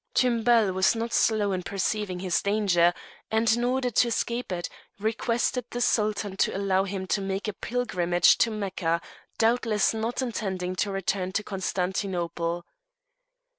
Tumbel was not slow in perceiving his danger, and in order to escape it, requested the Sultan to allow him to make a pilgrimage to Mecca, doubtless not intending to return to Constantinople.